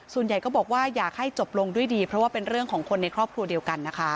ส่วนใหญ่ก็บอกว่าอยากให้จบลงด้วยดีเพราะว่าเป็นเรื่องของคนในครอบครัวเดียวกันนะคะ